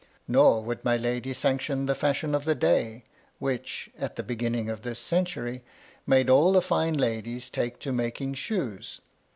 Nor would my lady sanction the fashion of the day, which, at the beginning of this century, made all the fine ladies take to making shoes.